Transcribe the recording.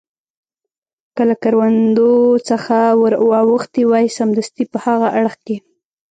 که له کروندو څخه ور اوښتي وای، سمدستي په هاغه اړخ کې.